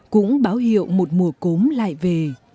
cũng báo hiệu một mùa cốm lại về